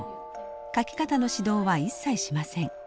描き方の指導は一切しません。